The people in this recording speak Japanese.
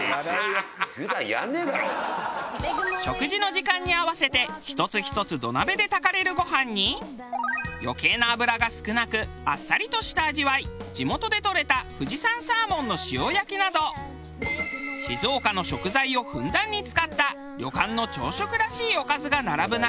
食事の時間に合わせて１つ１つ土鍋で炊かれるご飯に余計な脂が少なくあっさりとした味わい地元でとれた富士山サーモンの塩焼きなど静岡の食材をふんだんに使った旅館の朝食らしいおかずが並ぶ中。